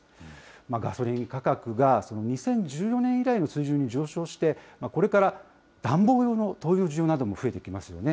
ガソリン価格が２０１４年以来の水準に上昇して、これから暖房用の灯油の需要なども増えてきますよね。